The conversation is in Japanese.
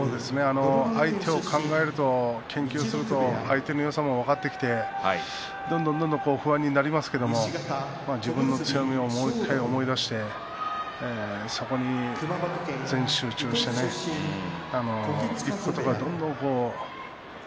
相手を考えると研究すると相手のよさも分かってきてどんどんどんどん不安になりますけど自分の強みをもう一度思い出してそこに集中していくことが大事です。